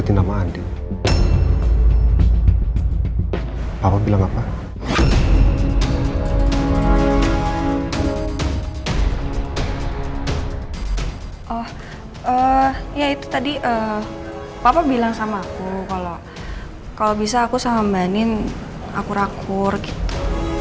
oh ya itu tadi papa bilang sama aku kalau bisa aku sama mba nin akur akur gitu